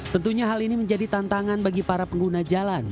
tentunya hal ini menjadi tantangan bagi para pengguna jalan